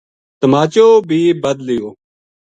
تماچو بے بدھ لیو۔